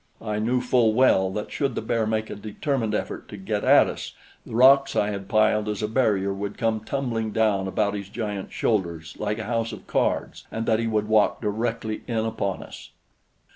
I knew full well that should the bear make a determined effort to get at us, the rocks I had piled as a barrier would come tumbling down about his giant shoulders like a house of cards, and that he would walk directly in upon us.